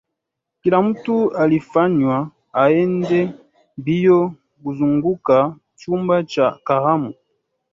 kila mtu alimfanya aende mbio kuzunguka chumba cha karamu